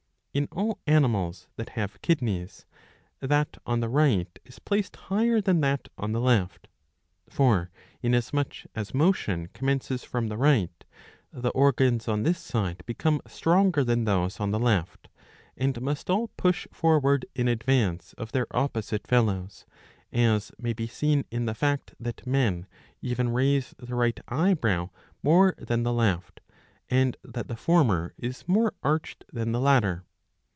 In all animals that have kidneys, that on the right is placed higher than that on the left.*^ For, inasmuch as motion commences from the right, the organs on this side become stronger than those on the left, and must all push forward in advance of their opposite fellows ; as may be seen in the fact that men even raise the right eyebrow more than the left, and that the former is more arched than the latter.